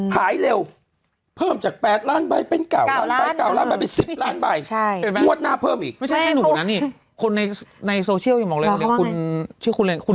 ขายเร็วเพิ่มจาก๘ล้านใบเป็น๙ล้านใบเป็น๑๐ล้านใบหมดหน้าเพิ่มอีก